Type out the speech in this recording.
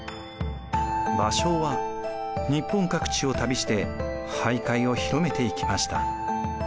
芭蕉は日本各地を旅して俳諧を広めていきました。